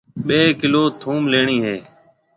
ٻي ڪلو ٿونڀ ليڻِي هيَ۔